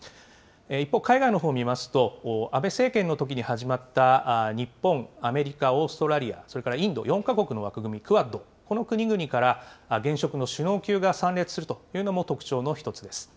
一方、海外のほうを見ますと、安倍政権のときに始まった日本、アメリカ、オーストラリア、それからインド、４か国の枠組み、クアッド、この国々から現職の首脳級が参列するというのも特徴の一つです。